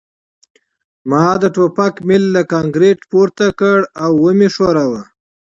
ما د ټوپک میل له کانکریټ پورته کړ او ومې ښوراوه